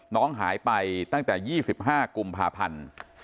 น้องหายไปตั้งแต่๒๕กุมภาพันธ์